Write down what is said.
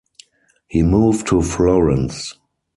He moved to Florence.